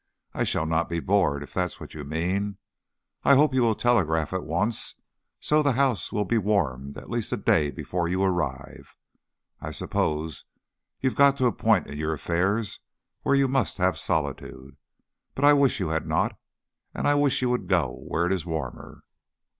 "I shall not be bored, if that is what you mean. I hope you will telegraph at once, so that the house will be warmed at least a day before you arrive. I suppose you have got to a point in your affairs where you must have solitude, but I wish you had not, and I wish you would go where it is warmer."